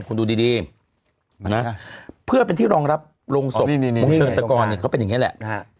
คุณดูดีเพื่อเป็นที่รองรับโรงศพของเชิงตะกรเขาเป็นอย่างนี้แหละ